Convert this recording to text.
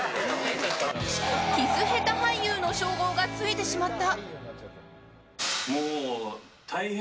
キス下手俳優の称号がついてしまった。